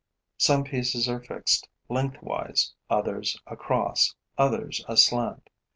Some pieces are fixed lengthwise, others across, others aslant.